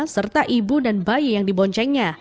serta ibu dan bayi yang diboncengnya